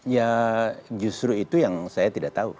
ya justru itu yang saya tidak tahu